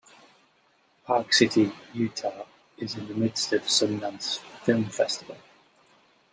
Park City, Utah is in the midst of the Sundance Film Festival.